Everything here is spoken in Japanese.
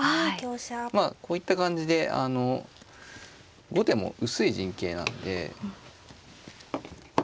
まあこういった感じであの後手も薄い陣形なんで。